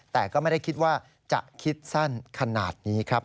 แต่ก็ไม่ได้คิดว่าจะคิดสั้นขนาดนี้ครับ